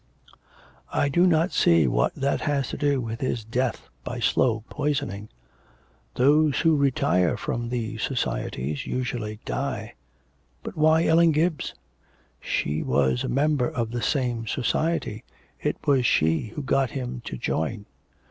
'I do not see what that has to do with his death by slow poisoning.' 'Those who retire from these societies usually die.' 'But why Ellen Gibbs?' 'She was a member of the same society, it was she who got him to join.